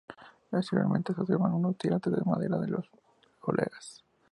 Exteriormente se observan unos tirantes de madera en los aleros.